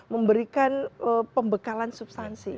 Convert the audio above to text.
memberikan pembekalan substansi